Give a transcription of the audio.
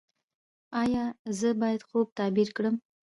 ایا زه باید خوب تعبیر کړم؟